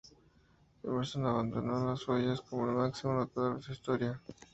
Iverson abandonó los Hoyas como el máximo anotador de su historia.